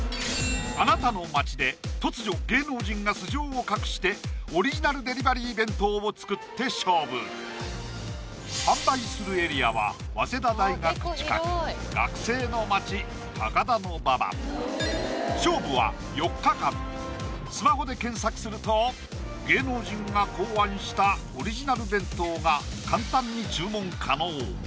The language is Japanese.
あなたの街で突如芸能人が素性を隠してオリジナルデリバリー弁当を作って勝負販売するエリアは早稲田大学近く学生の街・高田馬場勝負は４日間スマホで検索すると芸能人が考案したオリジナル弁当が簡単に注文可能